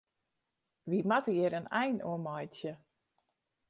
Wy moatte hjir in ein oan meitsje.